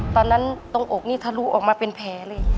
ตอนนั้นตรงอกนี้ทะลุออกมาเป็นแผลเลย